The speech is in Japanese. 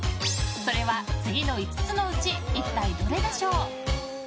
それは次の５つのうち一体どれでしょう？